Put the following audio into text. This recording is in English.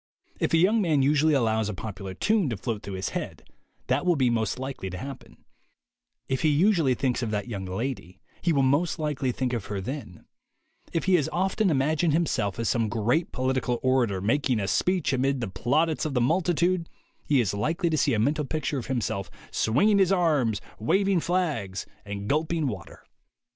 If a young man usually allows a popular tune to float through his head, that will be most likely to happen; if he usually thinks of that young lady, he will most likely think of her then; if he has often imagined himself as some great political orator making a speech amid the plaudits of the multitude, he is likely to see a mental picture of himself swinging his arms, waving flags and gulping water.